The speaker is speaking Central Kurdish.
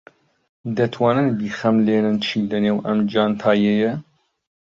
دەتوانن بیخەملێنن چی لەنێو ئەم جانتایەیە؟